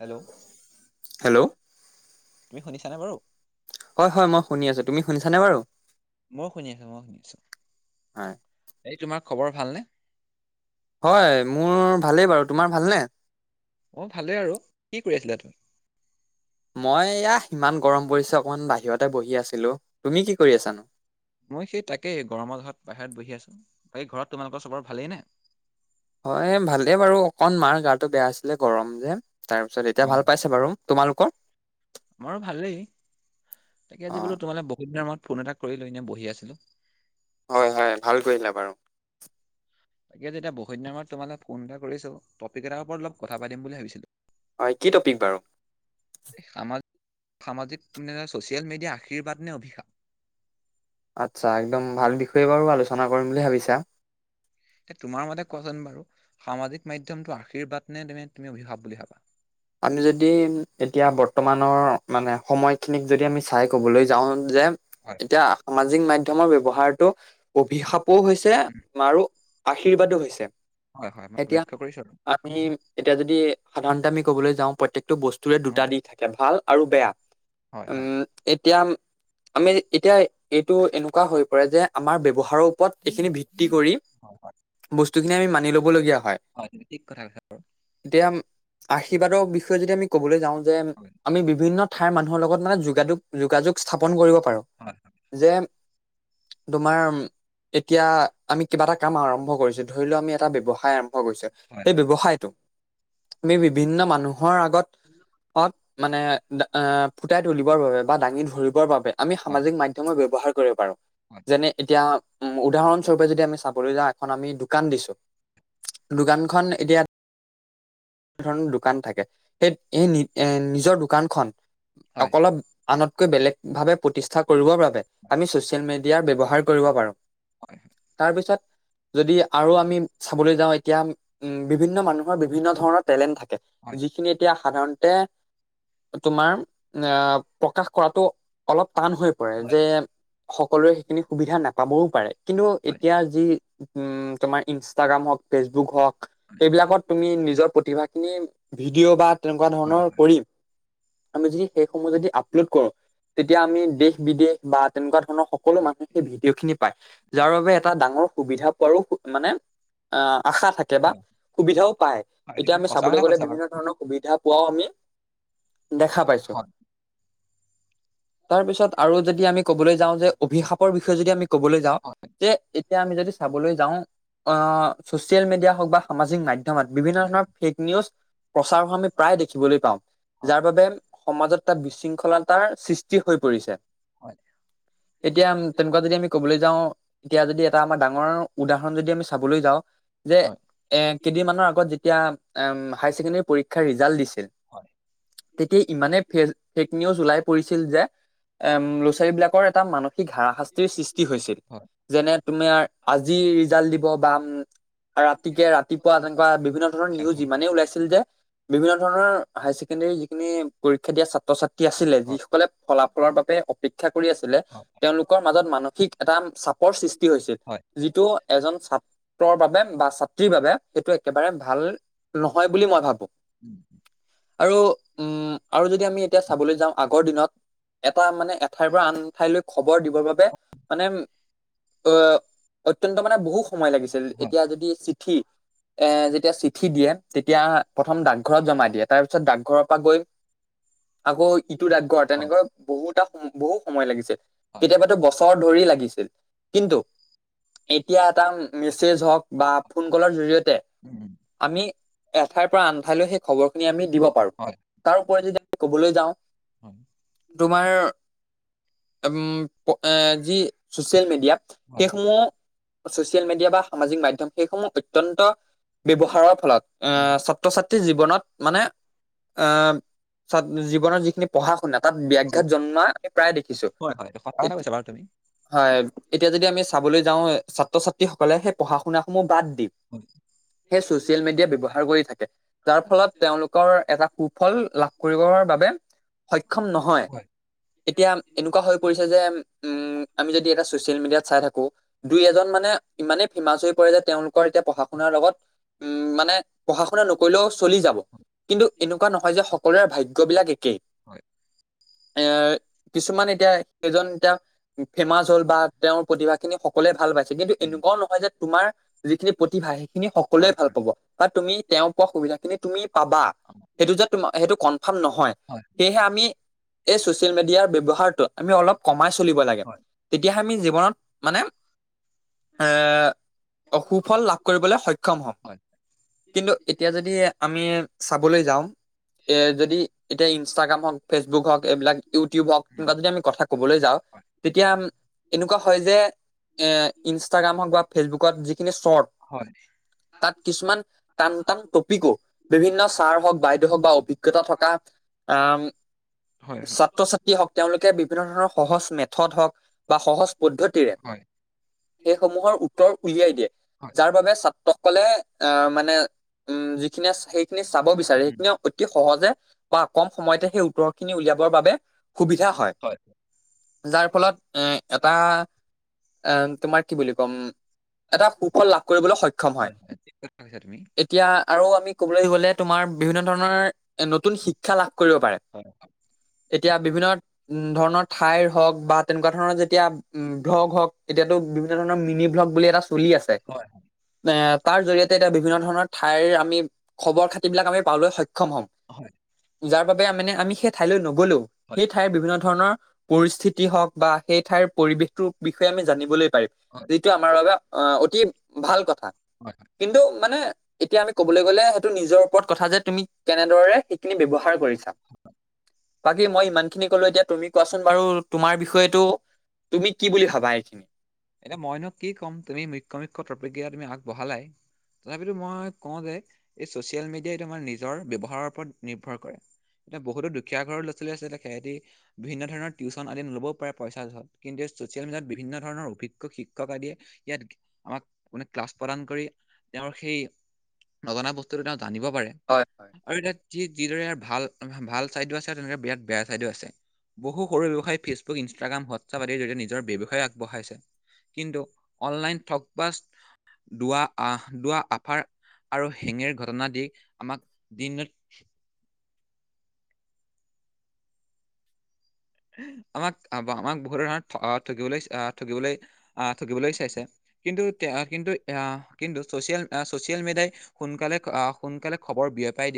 Hello hello তুমি শুনিছানে বাৰু? হয়, হয় মই শুনি আছো। তুমি শুনিছানে বাৰু? মই শুনি আছো, মই শুনি আছো। হয়। এই তোমাৰ খবৰ ভাল নে? হয় মোৰ ভালেই বাৰু। তোমাৰ ভালনে? অ ভালেই আৰু কি কৰি আছিলা তুমি? মই এইয়া ইমান গৰম পৰিছে অকমান বাহিৰতে বহি আছিলো। তুমি কি কৰি আছানো? মই সেই তাকেই গৰমৰ ঘৰত বাহিৰত বহি আছো। বাকী ঘৰত তোমালোকৰ চবৰ ভালেই নে? হয় ভালেই বাৰু। অকণ মাৰ গাটো বেয়া আছিলে গৰম যে। তাৰপিছত এতিয়া অ', ভাল পাইছে বাৰু। তোমালোকৰ? আমাৰো ভালেই। তাকে অ আজি বোলো তোমালে বহুত দিনৰ মূত ফোন এটা কৰিলো এনেই বহি আছিলো। হয়, হয়। ভাল কৰিলা বাৰু। তাকে যেতিয়া বহুত দিনৰ মূৰত তোমালে ফোন এটা কৰিছো টপিক এটাৰ ওপৰত অলপ কথা পাতিম বুলি ভাবিছিলো। হয়, কি টপিক বাৰু? সামা সামাজিক মানে ছ'চিয়েল মিডিয়া আশীৰ্বাদ নে অভিশাপ? আচ্ছা একদম ভাল বিষয়ে বাৰু আলোচনা কৰিম বুলি ভাবিছা। এ তোমাৰ মতে কোৱাচোন বাৰু সামাজিক মাধ্যমটো আশীৰ্বাদ নে তে তুমি অভিশাপ বুলি ভাবা? আমি যদি এতিয়া বৰ্তমানৰ মানে সময়খিনিক যদি আমি চাই ক'বলৈ যাওঁ যে হয়, এতিয়া সামাজিক মাধ্যমৰ ব্যৱহাৰটো অভিশাপো হৈছ ছে উম, আৰু আশীৰ্বাদো হৈছে। হয়, হয়, মই এতিয়া লক্ষ্য কৰিছো আৰু। আমি এতিয়া যদি সাধাৰণতে আমি ক'বলে যাওঁ প্ৰত্যেকটো বস্তুৰে দুটা অ', দিশ থাকে ভাল আৰু বেয়া। হয়, হয়। উম ত এতিয়া আ আমি এতিয়া এইটো এনেকুৱা হৈ পৰে যে আমাৰ ব্যৱহাৰৰ ওপৰত এইখিনি ভিত্তি কৰি হয়, হয়, বস্তুখিনি আমি মানি ল'বলগীয়া হয়। তুমি ঠিক কথা কৈছা। এতিয়াম আ আশীৰ্বাদৰ বিষয়ে যদি আমি ক'বলৈ যাওঁ যে হয়, আমি বিভিন্ন ঠাইৰ মানুহৰ লগত মানে যোগাযোগ যোগাযোগ স্থাপন কৰিব পাৰো হয়, যে তোমাৰ এতিয়া আমি কিবা এটা কাম আৰম্ভ কৰিছো। ধৰি লোৱা আমি এটা ব্যৱসায় আৰম্ভ কৰিছো। হয়, সেই হয়, ব্যৱসায়টো আমি বিভিন্ন মানুহৰ আগত মানে ফুটাই তুলিবৰ বাবে বা দাঙি ধৰিবৰ বাবে আমি হয়, সামাজিক মাধ্যমৰ ব্যৱহাৰ কৰিব পাৰো। হয়, যেনে এতিয়া উম উদাহৰণ স্বৰূপে যদি আমি চাবলৈ যাওঁ এখন আমি দোকান দিছো দোকানখন এতিয়া ধৰণৰ দোকান থাকে। সেই এই এ নিজৰ দোকানখন হয়, হয়, অলপ আনতকৈ বেলেগ ভাৱে প্ৰতিষ্ঠা কৰিবৰ বাবে হয়, আমি ছচিয়েল মিডিয়াৰ ব্যৱহাৰ কৰিব পাৰো। তাৰপিছত [unintelligible] যদি আৰু আমি চাবলৈ যাওঁ এতিয়া উম বিভিন্ন মানুহৰ বিভিন্ন ধৰণৰ টেলেণ্ট থাকে হয়। যিখিনি এতিয়া সাধাৰণতে তোমাৰ এ প্ৰকাশ কৰাটো অলপ টান হৈ পৰে হয়, যে সকলোৱে সেইখিনি সুবিধা নাপাবও পাৰে, কিন্তু হয়, এতিয়া যি উম তোমাৰ ইনষ্টাগ্ৰাম হওঁক, ফেচবুক হওঁক সেইবিলাকত তুমি নিজৰ প্ৰতিভাখিনি ভিডিঅ' বা তেনেকুৱা হয়, ধৰণৰ কৰি আমি যদি সেইসমূ্হ যদি আপলোড কৰো তেতিয়া আমি দে বিদেশ বা তেনেকুৱা ধৰণৰ সকলো মানুহে সেই ভিডিঅ' খিনি পায়। যাৰ বাবে এটা ডাঙৰ সুবিধা পোৱাৰো মানে আহ আশা থাকে বা হয়, সুবিধাও পায়। হয়, তুমি এতিয়া আমি সঁচা চাবলৈ কথা গলে কৈছা বাৰু। বিভিন্ন ধৰণৰ সুবিধা পোৱাও আমি দেখা পাইছো। হয়, তাৰ পিছত আৰু যদি আমি কবলৈ যাওঁ যে অভিশাপৰ বিষয়ে যদি আমি ক'বলৈ যাওঁ হয়, তে এতিয়া আমি যদি চাবলৈ যাওঁ অ' চচিয়েল মিডিয়া হওক বা সামাজিক মাধ্যমত বিভিন্ন হয়, ধৰণৰ ফেক নিউজ প্ৰচাৰ হোৱা আমি প্ৰায় দেখিবলৈ পাওঁ, হয়, যাৰ বাবে সমাজত তাত বিশৃংখলতাৰ সৃষ্টি হৈ পৰিছে। হয়। এতিয়া তেনেকুৱা যদি আমি ক'বলৈ যাওঁ এতিয়া যদি এটা আমাৰ ডাঙৰ উদাহৰণ যদি আমি চাবলৈ যাওঁ যে হয়, এ কেইদিনমানৰ আগত যেতিয়া আম হায়াৰ ছেকেণ্ডৰী পৰীক্ষাৰ ৰিজাল্ট দিছিল হয়, হয়, তেতিয়া ইমানে ফে ফেক নিউজ ওলাই পৰিছিল যে এম ল'ৰা - ছোৱালীবিলাকৰ এটা মানসিক হাৰাশাস্তিৰ সৃষ্টি হৈছিল। হয়, যেনে তুমি আৰ আজি ৰিজাল্ট দিব বা উম ৰাতিকে ৰাতিপুৱা তেনেকুৱা বিভিন্ন ধৰণৰ নিউজ ইমানেই ওলাইছিল যে বিভিন্ন ধৰণৰ হায়াৰ ছেকেণ্ডৰী যিখিনি পৰীক্ষা দিয়া ছাত্ৰ - ছাত্ৰী আছিলে, হয়, যিসকলে ফলাফলৰ বাবে অ পেক্ষা কৰি আছিলে, হয়, তেওঁলোকৰ মাজত মানসিক এটা চাপৰ সৃষ্টি হৈছিল। হয়, যিটো এজন ছাত্ৰৰ বাবে বা ছাত্ৰীৰ বাবে সেইটো একেবাৰে ভাল নহয় বুলি মই ভাবো। [inaudible] আৰু উম আৰু যদি আমি এতিয়া চাবলৈ যাওঁ আগৰ দিনত এটা মানে এঠাইৰ পৰা আন ঠাইলৈ খবৰ দিবৰ বাবে মানে অ, অত্যন্ত মানে বহুত সময় লাগিছিল হয়, এতিয়া যদি চিঠি এ যেতিয়া চিঠি দিয়ে তেতিয়া প্ৰথম ডাকঘৰত জমা দিয়ে তাৰ পিছত ডাকঘৰৰ পৰা গৈ আকৌ ইটো ডাগঘৰ হয়, তেনেকৈ বহুতটা বহু সময় লাগিছিল, হয়, কেতিয়াবাতো বছৰ ধৰি লাগিছিল। কিন্তু এতিয়া এটা মেছেজ হওক বা ফোন কলৰ জৰিয়তে উম, উম, আমি এঠাইৰ পৰা আন ঠাইলৈ সেই খবৰখিনি আমি দিব পাৰো হয়, তাৰ ওপৰত যদি আমি কবলৈ যাওঁ হয়। তোমাৰ উম প এ যি চচিয়েল মিডিয়া হয়, সেইসমূহ চচিয়েল মিডিয়া বা সামাজিক মাধ্যম সেইসমূহ অ ত্যন্ত ব্যৱহাৰৰ ফলত এ উম, ছাত্ৰ - ছাত্ৰী জীৱনত মানে আ ছাত জীৱনৰ যিখিনি পঢ়া - শুনা তাত হয়, ব্যাঘাত জন্মা প্ৰায় দেখিছো, হয়, হয়, সঁচা এত কথা কৈছা বাৰু তুমি। হয় এতিয়া যদি আমি চাবলৈ যাওঁ ছাত্র - ছাত ব্যক্তি সকলে সেই পঢ়া - শুনাসমূহ বাদ দি সেই ছচিয়েল মিডিয়া ব্যৱহাৰ কৰি থাকে। যাৰ ফলত তেওঁলোকৰ এটা সুফল লাভ কৰিবৰ বাবে সক্ষম নহয়। হয়, এতিয়া এনেকুৱা হৈ পৰিছে যে উম আমি যদি এটা চচিয়েল মিডিয়াত চাই থাকো দুই এজন মানে ইমানেই ফেমাচ হৈ পৰে যে তেওঁলোকৰ এতিয়া পঢ়া - শুনাৰ লগত উম মানে খৰে নকৰিলেও চলি যাব, কিন্তু এনেকুৱা নহয় যে সকলোৰে ভাগ্যবিলাক একেই। হয়, হয়, হয়, এ কিছুমান এতিয়া সেইজন এতিয়া ফেমাচ হ'ল বা তেওঁৰ প্ৰতিভাখিনি স কলে ভাল পাইছে কিন্তু উম, এনেকুৱাও নহয় যে তোমাৰ যিখিনি প্ৰতিভা সেইখিনি সকলোৱে হয়, ভাল পাব। বা তুমি তেওঁ পোৱা সুবিধা কিন্তু তুমি পাবা সেইটো যে তম সেইটো কনফাৰ্ম নহয়। হয়, সেয়েহে আমি এই ছচিয়েল মিডিয়াৰ ব্যৱহাৰ ট আমি অলপ কমাই চলিব লাগে হয়, তেতিয়াহে আমি জীৱনত মানে এ অ সুফল লাভ কৰিবলৈ সক্ষম হ'ম। হয়। কিন্তু এতিয়া যদি আমি চাবলৈ যাওঁ, এ যদি এতিয়া ইনষ্টাগ্ৰাম হক, ফেচবুক হওক এইবিলাক ইউটিউব হওক উম, কিবা যদি আমি কথা ক'বলৈ যাওঁ হয়, তেতিয়া এনেকুৱা হয় যে এ ইনষ্টাগ্ৰাম হওক বা ফেচবুকত যিখিনি শ্বৰ্ট হয়। তাত কিছুমান টান - টান টপিকো, বিভিন্ন ছাৰ হওঁক, বাইদেউ হওক বা উম, অভিজ্ঞতা থকা আম হয়, হয়। ছাত্ৰ-ছাত্ৰী হওঁক তেওঁলোকে বিভিন্ন ধৰণৰ সহজ মেথত হওক বা সহজ পদ্ধতিৰে হয়, সেইসমূহৰ উত্তৰ উলিয়াই দিয়ে, হয়, যাৰ বাবে ছাত্ৰকলে আ মানে উম যিখিনিয়ে সেইখিনি চাব বিচাৰে উম, সেইখিনি অতি সহজে বা কম সময়তে সেই উত্তৰখিনি উলিয়াবৰ বাবে সুবিধা হয়। যাৰ ফলত এ এটা এ তোমাৰ কি বুলি ক'ম, এটা সুফল লাভ কৰিবলৈ সক্ষম হয়। ভাবিছা তুমি? এতিয়া আৰু আমি ক'বলৈ গলে তোমাৰ বিভিন্ন ধৰণৰ নতুন শিক্ষা লাভ কৰিব পাৰে। হয়, এতিয়া বিভিন্ন উম ধৰণৰ ঠাইৰ হওক বা তেনেকুৱা ধৰণৰ যেতিয়া উম ভ্লগ হওঁক, এতিয়াতো বিভিন্ন ধৰণৰ মিনি ভ্লগ বুলি এটা চলি আছে। হয়, এ তাৰ জৰিয়তে এতিয়া বিভিন্ন ধৰণৰ ঠাইৰ আমি খবৰ খাতি বিলাক আমি পাবলৈ সক্ষম হম। হয়, যাৰ বাবে মানে আমি সেই ঠাইলৈ নগলেও হয়, সেই ঠাইৰ বিভিন্ন ধৰণৰ পৰিস্থিতি হওঁক বা সেই ঠাইৰ পৰিৱেশটোৰ বিষয়ে আমি জানিবলৈ পাৰিম। হয়, যিটো আমাৰ বাবে আ অতি ভাল কথা, হয়, হয়। কিন্তু মানে এতিয়া আমি কবলৈ গলে সেইটো নিজৰ ওপৰত কথা যে তুমি কেনেদৰে সেইখিনি ব্যৱহাৰ কৰিছা? [inaudible] বাকী মই ইমান খিনি কলো এতিয়া তুমি কোৱাচোন বাৰু তোমাৰ বিষয়টো তুমি কি বুলি ভাবা এইখিনি? এতিয়া মইনো কি ক'ম তুমি মুখ্য মুখ্য পক্ৰিয়া তুমি আগবঢ়ালাই। তথাপিতো মই কওঁ যে এই ছ'চিয়েল মিডিয়াই এইটো আমাৰ নিজৰ ব্যৱহাৰৰ ওপৰত নিৰ্ভৰ কৰে। এতিয়া বহুতো দুখীয়া ঘৰৰ লৰা- ছোৱালী আছে তে সেহেঁতি বিভিন্ন ধৰণৰ টিউচন আদি ন'লবও পাৰে পইচা কিন্তু ছ'চিয়েল মিডিয়াত বিভিন্ন ধৰণৰ অভি জ্ঞ শিক্ষক আদিয়ে ইয়াত আমাক মানে ক্লাছ প্ৰদান কৰি তেওঁৰ সেই নজনা বস্তুটো তেওঁ জানিব পাৰে। হয় হয়। আৰু এতিয়াত যি যিদৰে ভাল ভাল চাইডো আছে আৰু তেনেদৰে বিৰাট বেয়া চাইডো আছে। বহু সৰু ব্যৱসায়ী ফেচবুক, ইনষ্টাগ্ৰাম, হোৱাটছআপ আদিৰ জৰিয়তে নিজৰ ব্যৱসায় আগবঢ়াইছে। কিন্তু, অনলাইন থগ বাজ দুৱা আহ দুৱা আফাৰ আৰু হেঙেৰ ঘটনা দি আমাক দিনত উঁহ আমাক আবামাক বহুধানাক ফঅ ঠগিবলৈচ আহ ঠগিবলৈ আহ ঠগিবলৈ চাইছে কিন্তু তেয়া কিন্তু এয়াহ কিন্তু চচিয়েল ছচিয়েল আ চচিয়েল ছচিয়েল মিডিয়া মিডিয়াই সোনকালে খ অঁ সোনকালে খবৰ বিয়প